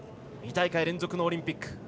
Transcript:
２大会連続のオリンピック。